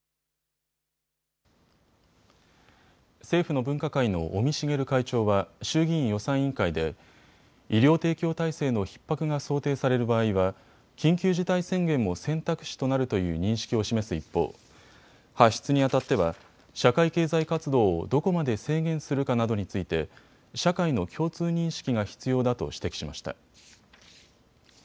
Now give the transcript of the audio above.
政府の分科会の尾身茂会長は衆議院予算委員会で医療提供体制のひっ迫が想定される場合は緊急事態宣言も選択肢となるという認識を示す一方、発出にあたっては社会経済活動をどこまで制限するかなどについて社会の共通認識が必要だと指摘しました。